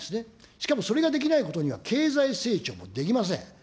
しかもそれができないことには経済成長もできません。